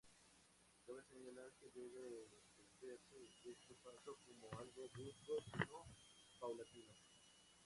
Cabe señalar que no debe entenderse este paso como algo brusco sino paulatino.